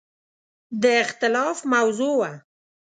د اختلاف موضوع وه.